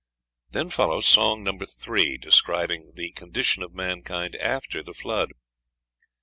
Then follows Song 3, describing the condition of mankind after the Flood.